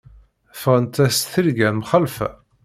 Ffɣent-as tirga mxalfa.